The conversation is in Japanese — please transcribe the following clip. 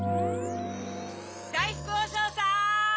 だいふくおしょうさん！